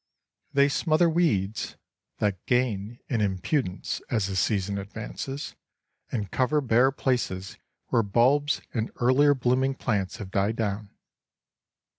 They smother weeds (that gain in impudence as the season advances), and cover bare places where bulbs and earlier blooming plants have died down.